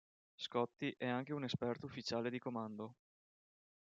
Scotty è anche un esperto ufficiale di comando.